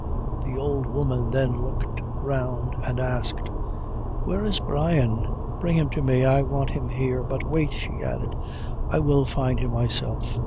The old woman then looked around, and, asked "Where is Brian? Bring him to me I want him here. But wait," she added, "I will find him myself."